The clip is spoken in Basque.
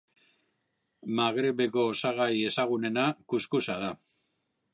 Magrebeko osagai ezagunena Kus-kusa da.